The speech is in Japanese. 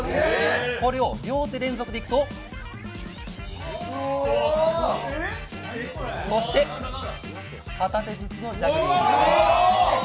これを両手連続でいくとそして、片手ずつのジャグリング。